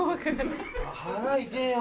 腹痛ぇよ